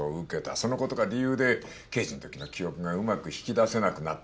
その事が理由で刑事の時の記憶がうまく引き出せなくなった。